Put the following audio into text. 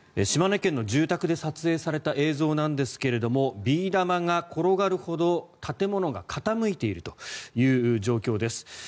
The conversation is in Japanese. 島根県の住宅で撮影された映像なんですけどビー玉が転がるほど建物が傾いているという状況です。